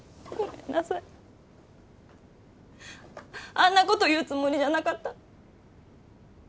あんなこと言うつもりじゃなかった。